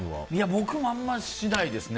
僕もあまりしないですね。